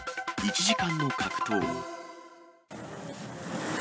１時間の格闘。